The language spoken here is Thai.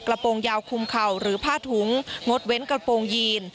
โปรงยาวคุมเข่าหรือผ้าถุงงดเว้นกระโปรงยีน